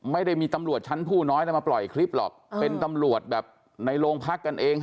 ไม่ได้มีตำรวจชั้นผู้น้อยแล้วมาปล่อยคลิปหรอกเป็นตำรวจแบบในโรงพักกันเอง